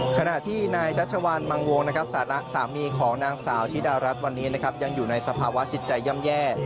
ขณะที่นายชัชวรมังวงสามีของนางสาวที่ดารัชวันนี้ยังอยู่ในสภาวะจิตใจย่ำแย่